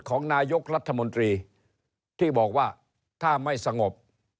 ของนายกรัฐมนตรีที่บอกว่าถ้าไม่สงบ